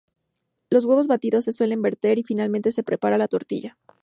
Los huevos batidos se suelen verter y finalmente se prepara la tortilla.